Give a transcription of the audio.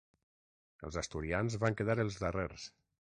Els asturians van quedar els darrers.